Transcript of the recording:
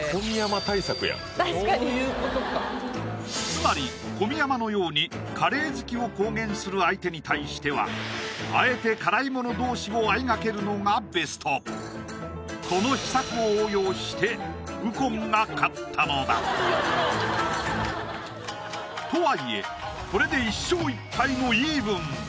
つまり小宮山のようにカレー好きを公言する相手に対してはあえて辛いもの同士をあいがけるのがベストこの秘策を応用して右近が勝ったのだとはいえこれで１勝１敗のイーブン！